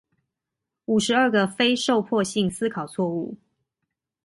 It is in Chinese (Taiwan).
五十二個非受迫性思考錯誤